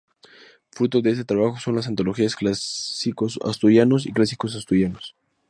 Fruto de este trabajo son las antologías "Clásicos asturianos" y "Clásicos asturianos.